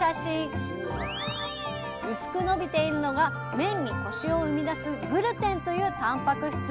薄くのびているのが麺にコシを生み出すグルテンというたんぱく質。